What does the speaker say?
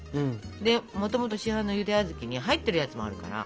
でもともと市販のゆで小豆に入っているやつもあるから。